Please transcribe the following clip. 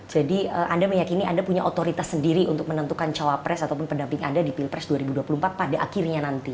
jadi anda meyakini anda punya otoritas sendiri untuk menentukan cawapres ataupun pendamping anda di pilpres dua ribu dua puluh empat pada akhirnya nanti